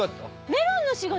メロンの仕事？